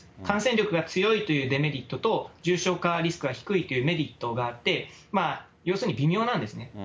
感染力が強いというデメリットと、重症化リスクが低いというメリットがあって、要するに微妙なんですね。